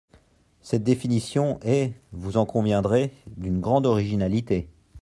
Cette définition est, vous en conviendrez, d’une grande originalité.